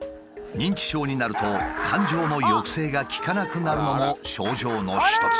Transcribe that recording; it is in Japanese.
認知症になると感情の抑制が利かなくなるのも症状の一つ。